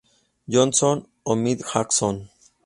Johnson, o Milt Jackson.